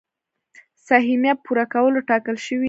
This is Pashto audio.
سهميه پوره کولو ټاکل شوي.